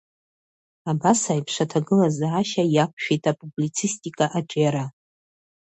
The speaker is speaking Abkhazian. Абас аиԥш аҭагылазаашьа иақәшәеит апублицистика аҿиара.